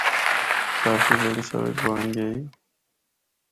کافی بڑی سڑک بنڑ گئی۔